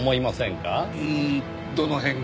うーんどの辺が？